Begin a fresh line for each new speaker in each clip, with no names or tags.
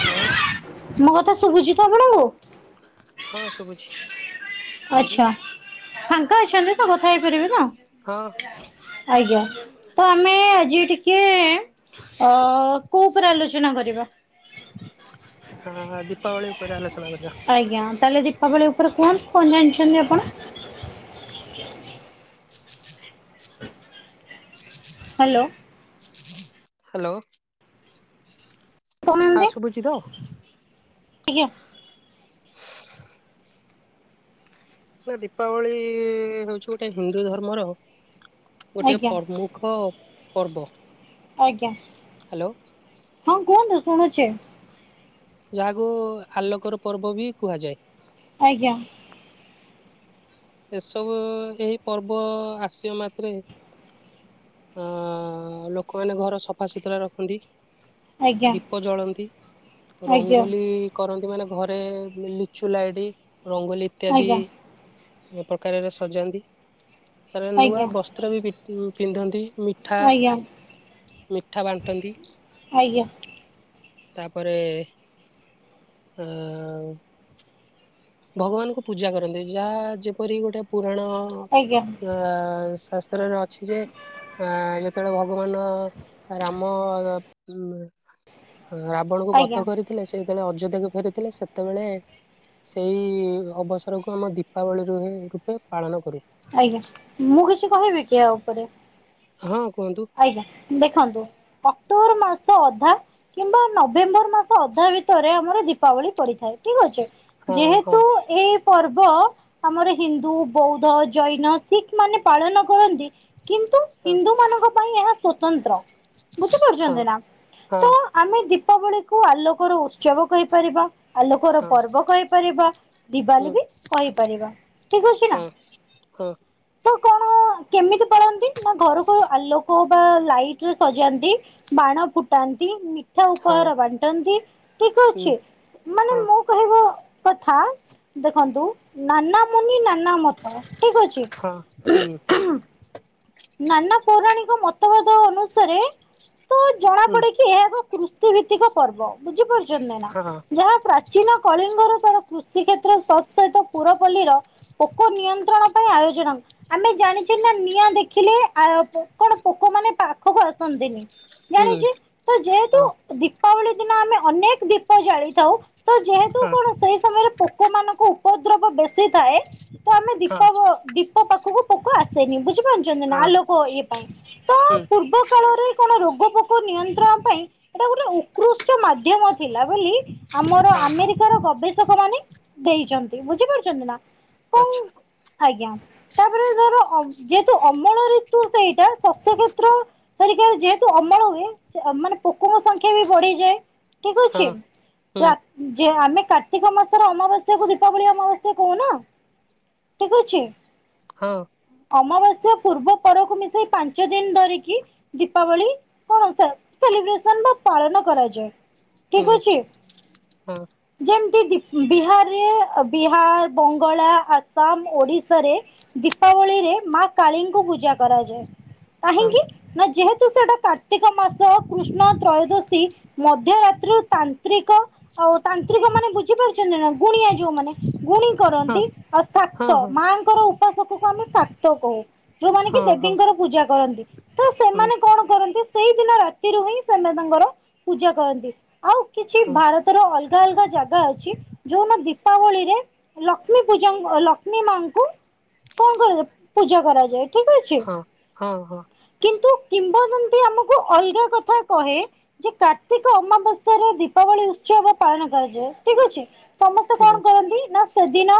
Hello
ମୋ କଥା ଶୁଭୁଛି ତ ଆପଣଙ୍କୁ
ହଁ ଶୁଭୁଛି କୁହନ୍ତୁ
ଆଚ୍ଛା? ଫାଙ୍କା ଅଛନ୍ତି ତ କଥା ହେଇପାରିବେ ତ?
ହଁ।
ଆଜ୍ଞା ତ ଆମେ ଆଜି ଟିକେ ଅ କୋଉ ଉପରେ ଆଲୋଚନା କରିବା?
[unintelligible] ଦୀପାବଳି ଉପରେ ଆଲୋଚନା କରିବା।
ଆଜ୍ଞା ତାହେଲେ ଦିପ୍ ଦୀପାବଳି ଉପରେ କୁହନ୍ତୁ କଣ ଜାଣିଛନ୍ତି ଆପଣ? ହାଲୋ।
[inaudible] ହାଲୋ। ଆ
କହୁନାହାନ୍ତି?
ଶୁଭୁଛି ତ?
ଆଜ୍ଞା।
ନା ଦୀପାବଳି ହେଉଛି ଗୋଟେ ହିନ୍ଦୁ ଧର୍ମର ଗୋଟିଏ
ଆଜ୍ଞା
ପ୍ରମୁଖ ପର୍ବ।
ଆଜ୍ଞା
ହ୍ୟାଲୋ
ହଁ କୁହନ୍ତୁ ଶୁଣୁଛି।
ଯାହାକୁ ଆଲୋକର ପର୍ବ ବି କୁହାଯାଏ।
ଆଜ୍ଞା।
ଏସବୁ ଏହି ପର୍ବ ଆସିବା ମାତ୍ରେ ଆ ଲୋକମାନେ ଘର ସଫା ସୁତୁରା ରଖନ୍ତି
ଆଜ୍ଞା
ଦୀପ ଜଳାନ୍ତି
ଆଜ୍ଞା
ରଙ୍ଗୋଲି କରନ୍ତି ମାନେ ଘରେ ଲିଚୁ ଲାଇଟ ରଙ୍ଗୋଲି ଇତ୍ୟାଦି
ଆଜ୍ଞା ଆଜ୍ଞା
ଏ ପ୍ରକାରର ସଜାନ୍ତି, ତାପରେ ନୂଆ
ଆଜ୍ଞା
ବସ୍ତ୍ର ବି ପି ଉଁ, ପିନ୍ଧନ୍ତି। ମିଠା,
ଆଜ୍ଞା
ମିଠା ବାଣ୍ଟନ୍ତି।
ଆଜ୍ଞା।
ତାପରେ ଅ, ଭଗବାନ ଙ୍କୁ ପୂଜା କରନ୍ତି, ଯାହା ଯେପରି ଗୋଟେ ପୁରାଣ
ଆଜ୍ଞା
ଆ, ଶାସ୍ତ୍ରରେ ଅଛି ଯେ ଆ, ଯେତେବେଳେ ଭଗବାନ ରାମ [unintelligible] ଉଁ, ରାବଣକୁ
ଆଜ୍ଞା
ବଦ୍ଧ କରିଥିଲେ ସେ ଯେତେବେଳେ ଅଯୋଧ୍ୟାକୁ ଫେରିଥିଲେ ସେତେବେଳେ ସେଇ ଅବସରକୁ ଆମ ଦୀପାବଳି ରୁହେ ରୂପେ ପାଳନ କରୁ।
ଆଜ୍ଞା, ମୁଁ କିଛି କହିବି କି ୟା ଉପରେ?
ହଁ କୁହନ୍ତୁ।
ଆଜ୍ଞା ଦେଖନ୍ତୁ ଅକ୍ଟୋବର ମାସ ଅଧା କିମ୍ବା ନଭେମ୍ବର ମାସ ସ ଅଧା ଭିତରେ ଆମର ଦୀପାବଳି ପଡିଥାଏ। ଠିକ୍ ଅଛି,
ହଁ ହଁ
ଯେହେତୁ ଏ ପର୍ବ ଆମର ହିନ୍ଦୁ ବୌଦ୍ଧ ଜୈନ, ଶିଖ୍ ମାନେ ପାଳନ କରନ୍ତି, କିନ୍ତୁ
ହଁ
ହିନ୍ଦୁ ମାନଙ୍କ ପାଇଁ ଏହା ସ୍ଵତନ୍ତ୍ର ବୁଝିପାରୁଛନ୍ତି ନା?
ହଁ
ତ ଆମେ ଦୀପାବଳିକୁୁ ଆଲୋକର ଉତ୍ସବ କହିପାରିବା। ଆଲୋକର
ହଁ
ପର୍ବ କହିପାରିବା,
ହଁ
ଦିିବାଲୀ ବି କହିପାରିବା ଠିକ୍ ଅଛି
ହଁ
ନା।
ହଁ।
ତ କଣ କେମିତି ପାଳନ ନ୍ତି ନା ଘରକୁ ଆଲୋକ ବା ଲାଇଟ୍ ରେ ସଜାନ୍ତି ବାଣ ଫୁଟାନ୍ତି, ମି ଠା
ହଁ
ଉପହାର ବାଣ୍ଟନ୍ତି, ଠିକ୍
ହଁ
ଅଛି, ମାନେ
ହଁ
ମୁଁ କହିବା କଥା ଦେଖନ୍ତୁ ନାନା ମୁୁନି ନାନା ମତ ଠିକ ଅଛି।
ହଁ [unintelligible]
ନାନା ପୌରାଣିକ ମତଭେଦ ଅନୁସାରେ ତ ଜଣା ପଡେ କିି ଏହା ଏକ କୃଷ ଭିତ୍ତିକ ପର୍ବ, ବୁଝିପାରୁଛନ୍ତି ନା।
ହଁ
ଯାହା ପ୍ରା ଚୀନ କଳିଙ୍ଗର ତାର କୃଷି କ୍ଷେତ୍ର ତତ୍ ସହିତ ପୁରପଲ୍ଲୀର ପୋକ ନିୟନ୍ତ୍ରଣ ପାଇଁ ଆୟୋଜନ ଆମେ ଜାଣିଛେ ନା ନିଆଁ ଦେ ଖିଲେ ଆ, ପୋ- କଣ ପୋକ ମାନେ ପାଖକୁ ଆସନ୍ତିନି, ଜାଣିଛି,
ଠିକ
ତ ଯେହେତୁ ଦୀପାବଳି ଦିନ ଆମେ ଅନେକ ଦୀପ ଜାଳିଥାଉ ତ ଯେହେତୁ କଣ ସେଇ ସମୟରେ ପୋକ ମାନଙ୍କ ଉପଦ୍ରବ ବେଶୀ ଥାଏ। ତ ଆମେ ଦୀପାବ ଦୀପ ପାଖକୁ ପୋକ ଆସେନି, ବୁଝିପାରୁ ନା ଆଲୋକ ଇଏ ପାଇଁ, ତ ପୂର୍ବ କାଳରେ କଣ ରୋଗ ପୋଗ ନିୟନ୍ତ୍ରଣ ପାଇଁ ଏଟା ଗୋଟେ ଉକୃଷ୍ ମାଧ୍ୟମ ଥିଲା ବୋଲି ଆମର ଆମେରିକାର ଗବେଷକ ମାନେ ଦେଇଚନ୍ତି, ବୁଝିପାରୁଛନ୍ତି ନା? କଣ
ଆଚ୍ଛା।
ଆଜ୍ଞା, ତାପରେ ଧର ଆଉ ଯେ ଅମଳ ଋତୁ ସେଇଟା ଶସ୍ୟ କ୍ଷେତ୍ର [unintelligible] ଯେହେତୁ ଅମଳ ହୁଏ ସେ ଏ ମାନେ ପୋକର ସଂଖ୍ୟା ବି ବଢିଯାଏ। ଠିକ ଅଛି। ପ୍ରା ଯେ ଆମେ କାର୍ତ୍ତିକ ମାସର ଅମାବାସ୍ୟାକୁୁ ଦୀପାବଳି ଅମାବାସ୍ୟା କହୁ ନା? ଠିକ ଅଛି।
ହଁ।
ଅମାବାସ୍ୟ ପୂର୍ବ ପରକୁ ମିଶେଇ ପାଞ୍ଚ ଦିନ ଧରିକି ଦୀପାବଳି କଣ ସେ ସେଲିବ୍ରେସନ୍ ବା ପାଳନ କରାଯାଏ। ଠିକ ଅଛି। ଯେମିତି ବିହାରରେ ବିହାର ବଙ୍ଗଳା ଆସାମ ଓଡିଶାରେ ଦୀପାବଳିରେ ମା କାଳୀଙ୍କୁ ପୂଜା କରାଯାଏ କାହିଁକି? ନା ଯେହେତୁ ସେଇଟା କାର୍ତ୍ତିକ ମାସ କୃଷ୍ଣ ତ୍ରୟୋଦଶୀ ମଧ୍ୟରାତ୍ରିରୁ ତାନ୍ତ୍ରିକ ଆଉ ତାନ୍ତ୍ରିକ ମାନେ ବୁଝିପାରୁଛନ୍ତି ନା ଗୁଣିଆ ଯୋଉମାନେ ଗୁଣି କରନ୍ତି ଆଉ ସାତ ମାଙ୍କର ଉପାସକକୁ ଆମେ ସାତ କହୁ। ଯୋଉମାନେ କି ଦେବୀଙ୍କର ପୂଜା କରନ୍ତି ତ ସେମାନେ କଣ କରନ୍ତି ସେଇଦିନ ରାତିରୁ ହିଁ ସେମାନେ ତାଙ୍କର ପୂଜା କରନ୍ତି ଆଉ କିଛି ଭାରତ ର ଅଲଗା ଅଲଗା ଜାଗା ଅଛି ଯୋଉନ ଦୀପାବଳି ରେ ଲକ୍ଷ୍ମୀ ପୂଜା ଲକ୍ଷ୍ମୀ ମାଙ୍କୁ କଣ କରାଯାଏ ପୂଜା କରାଯାଏ। ଠିକ ଅଛି।
ହଁ ହଁ ହଁ।
କିନ୍ତୁ କିମ୍ବ ଦନ୍ତୀ ଆମକୁ ଅଲଗା କଥା କହେ। ଯେ କାର୍ତ୍ତିକ ଅମାବସ୍ୟାରେ ଦୀପାବଳି ଉତ୍ସବ ପାଳନ କରାଯାଏ ଠିକ ଅଛି। ସମସ୍ତେ
ଠିକ୍
କଣ
ଅଛି।
କରନ୍ତି ନା ସେଦିନ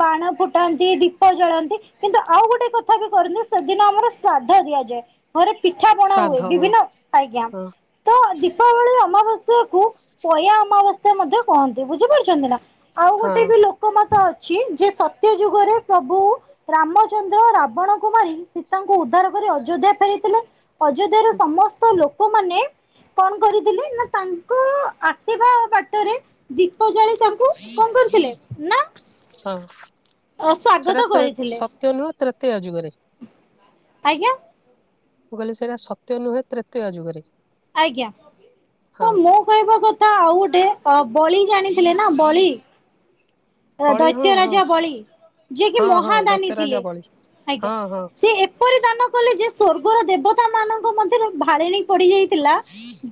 ବାଣ ଫୁଟାନ୍ତି ଦୀପ ଜଳାନ୍ତି କିନ୍ତୁ ଆଉ ଗୋଟେ କଥା ବି କରନ୍ତି ସେଦିନ ଆମର ଶ୍ରାଦ୍ଧ ଦିଆଯାଏ। ଘରେ ପିଠା ପଣା ହୁଏ
ଶ୍ରାଦ୍ଧ
ବିଭିନ୍ନ
ହଁ
ଆଜ୍ଞା। ତ ଦୀପାବଳି ଅମାବାସ୍ୟାକୁୁ ପୟା ଅମାବାସ୍ୟା ମଧ୍ୟ କହନ୍ତି। ବୁଝିପାରୁଛନ୍ତି ନା? ଆଉ
ହଁ
ଗୋଟେ ବି ଲୋକ ମତ ଅଛି ଯେ ସତ୍ୟ ଯୁଗରେ ପ୍ରଭୁ ରାମଚନ୍ଦ୍ର ରାବଣକୁ ମାରି ସୀତାଙ୍କୁ ଉଦ୍ଧାର କରି ଅଯୋଧ୍ୟା ଫେରିଥିଲେ ଅଯୋଧ୍ୟାର ସମସ୍ତ ଲୋକମାନେ କଣ କରିଥିଲେ ନା ତାଙ୍କ ଆସିବା ବାଟରେ ଦୀପ ଜାଳି ତାକୁ କଣ କରିଥିଲେ ନା
ହଁ ସେଟା
ସ୍ଵାଗତ
ତ୍ରେ
କରିଥିଲେ
ସତ୍ୟ ନୁହେଁ ତ୍ରେତୟା ଯୁଗରେ।
ଆଜ୍ଞା।
ମୁଁ କହିଲି ସେଇଟା ସତ୍ୟ ନୁହେଁ ତ୍ରେତୟା ଯୁଗରେ।
ଆଜ୍ଞା
ହଁ
ତ ମୁଁ କହିବା କଥା ଆଉ ଗୋଟେ ବଳି ଜାଣିଥିଲେ ନା ବଳି
ବଳି ହଁ
ଦୈତ୍ୟ
ହଁ
ରାଜା ବଳି ଯିଏ କିି
ହଁ ହଁ
ମହାଦାନୀ
ଦୈତ୍ୟରାଜା
ଥିଲେ
ବଳି
ଆଜ୍ଞା
ହଁ ହଁ
ସେ ଏ ଏପରି ଦାନ କଲେ ଯେ ସ୍ଵର୍ଗର ଦେବତା ମାନଙ୍କ ମଧ୍ୟରେ ଭାଳେଣି ପଡିଯାଇଥିଲା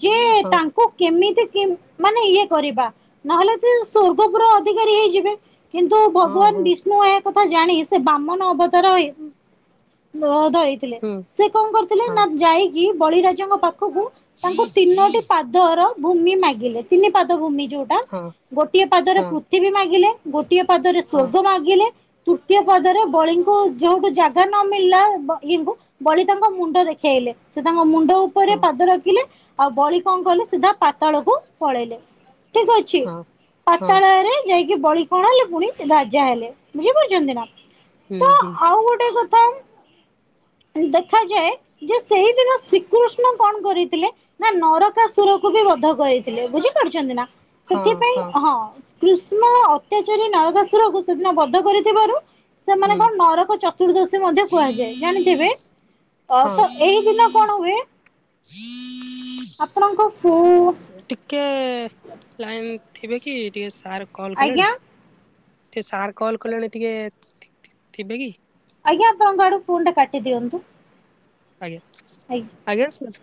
ଯେ
ହଁ
ତାଙ୍କ କୁ କେମିତି ମାନେ ଇଏ କରିବା ନହେଲେ ସେ ସ୍ୱର୍ଗପୁରର ଅଧିକାରୀ ହେଇଯିବେ। କିନ୍ତୁ
ହଁ
ଭଗବାନ
ହଁ
ବିଷ୍ ଏ କଥା ଜାଣି ସେ ବାମନ ଅବତାର ଧରି ଥିଲେ
ହୁଁ
ସେ କଣ କରିଥିଲେ
ହଁ
ନା ଯାଇକି ବଳିରାଜାଙ୍କ ପାଖ ପାଖକୁ ତାଙ୍କୁ ତିନୋଟି ପାଦର ଭୂମି ମାଗିଲେ ତିନି ପାଦ ଭୂମି ଯୋଉଟା
ହଁ
ଗୋଟିଏ ପାଦରେ
ହଁ
ପୃଥିବୀ ମାଗିଲେ ଗୋଟିଏ ପାଦରେ
ହଁ
ସ୍ୱର୍ଗ ମାଗିଲେ ତୃତୀୟ ପଦରେ ବଳିଙ୍କୁ ଜେଉଠୁ ଜାଗା ନ ମିଳିଲା ଇଏଙ୍କୁ ବଳି ତାଙ୍କ ମୁଣ୍ଡ ଦେଖେଇଲେ ସେ ତାଙ୍କ ମୁଣ୍ଡ ଉପରେ
ହଁ
ପାଦ ରଖିଲେ। ଆଉ ବଳି କଣ କଲେ ସିଧା ପାତାଳକୁ ପଳେଇଲେ ଠିକ ଅଛି
ହଁ ହଁ
ପାତାଳରେ ଯାଇକି ବଳି କଣ ହେଲେ ପୁଣି ରାଜା ହେଲେ। ବୁଝିପାରୁଛନ୍ତି ନା?
ହୁଁ
ତ
ହୁଁ।
ଆଉ ଗୋଟେ କଥା ଦେଖାଯାଏ ଯେ ସେଇଦିନ ଶ୍ରୀକୃଷ୍ଣ କଣ କରିଥିଲେ। ନା ନରକା ସୁରକୁ ବି ବଧ କରିଥିଲେ ବୁଝିପାରୁଛନ୍ତି ନା? ସେଥିପାଇଁ ହଁ କୃଷ୍ଣ ଅତ୍ୟାଚାରୀ ନରକାଶୁରକୁ ସେଦିନ ବଧ କରିଥିବାରୁ ସେମାନେ
ହୁଁ
କଣ ନରକ ଚତୁର୍ଦ୍ଦଶୀ ମଧ୍ୟ କୁହାଯାଏ ଜାଣିଥିବେ ଅ
ହଁ
ତ ଏଇ ଦିନ। କଣ ହୁଏ? ଆପଣଙ୍କ ଫୁ
ଟିକେ ଲାଇନ ଥିବେ କି ଟିକେ ସାର୍ କଲ୍
ଆଜ୍ଞା
କଲେଣି? ଟିକେ ସାର୍ କଲ୍ କଲେଣି ଟିକେ ଥିବେ କି?
ଆଜ୍ଞା ଆପଣଙ୍କ ଆଡୁ ଫୋନ୍ ଟା କାଟି ଦିଅନ୍ତୁ।
ଆଜ୍ଞା। ଆଜ୍ଞା ସାର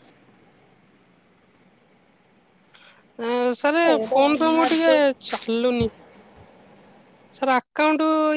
ସାର୍
ଏଇଟା
ଫୋନ୍ ପେ ମୋର ଟିକେ
ଅନାର୍ଯ୍ୟ
ଚାଲୁନି ସାର୍ ଆକାଉଣ୍ଟ